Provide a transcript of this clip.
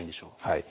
はい。